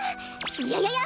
ややや！